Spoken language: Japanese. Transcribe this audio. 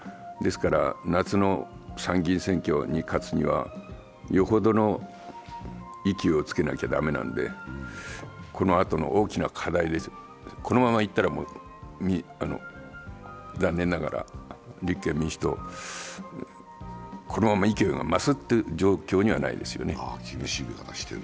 夏の参議院選挙に勝つには、よほどの勢いをつけなきゃ駄目なんでこのあとの大きな課題です、このままいったら残念ながら立憲民主党、このまま勢いが増す状況にはないですよね。